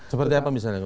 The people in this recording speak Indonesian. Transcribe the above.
seperti apa misalnya